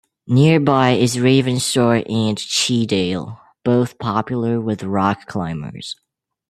Nearby is Ravenstor and Cheedale, both popular with rock-climbers.